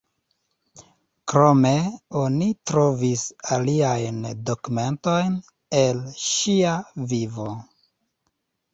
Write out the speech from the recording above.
Krome oni trovis aliajn dokumentojn el ŝia vivo.